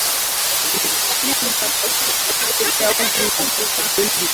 juu ya maneo makubwa ya Asia ya Kati na milima Kaukasus ukashindana